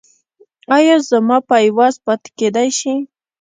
ایا زما پایواز پاتې کیدی شي؟